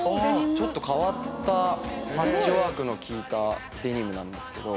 変わったパッチワークの効いたデニムなんですけど。